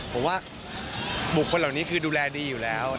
ผมว่าบุคคลเหล่านี้คือดูแลดีอยู่แล้ว